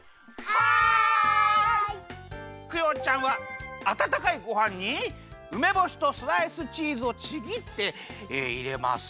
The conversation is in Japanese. クヨちゃんはあたたかいごはんにうめぼしとスライスチーズをちぎっていれます。